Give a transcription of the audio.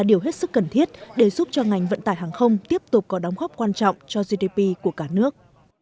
điều hết sức cần thiết để giúp cho ngành vận tải hàng không tiếp tục có đóng góp quan trọng cho gdp của cả nước